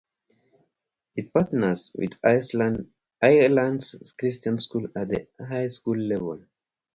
It partners with Highlands Christian Schools at the high school level.